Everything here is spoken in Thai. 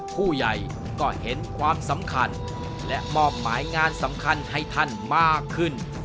ผู้ใหญ่ก็เห็นความสำคัญและมอบหมายงานสำคัญให้ท่านมากขึ้น